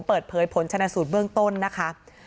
เปิดเผยผลชนะสูตรเบื้องต้นนะคะ